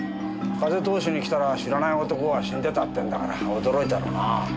風通しに来たら知らない男が死んでたってんだから驚いたろうなあ。